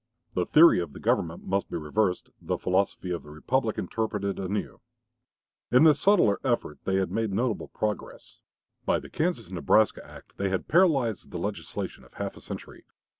The theory of the government must be reversed, the philosophy of the republic interpreted anew. In this subtler effort they had made notable progress. By the Kansas Nebraska act they had paralyzed the legislation of half a century.